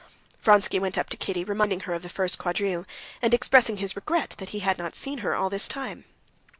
Vronsky went up to Kitty reminding her of the first quadrille, and expressing his regret that he had not seen her all this time.